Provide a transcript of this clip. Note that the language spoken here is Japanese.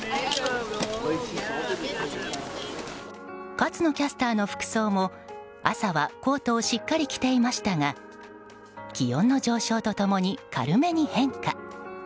勝野キャスターの服装も朝は、コートをしっかり着ていましたが気温の上昇と共に軽めに変化。